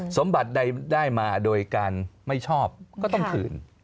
สมบัติใดได้มาโดยการไม่ชอบก็ต้องคืน